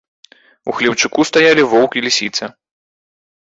У хлеўчуку стаялі воўк і лісіца.